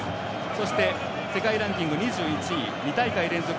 そして、世界ランキング２１位２大会連続